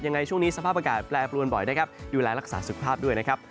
ยังไงช่วงนี้สภาพอากาศแปรปรวนบ่อยนะครับดูแลรักษาสุขภาพด้วยนะครับ